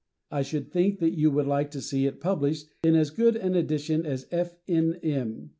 I should think that you would like to see it published in as good an edition as F. N. M.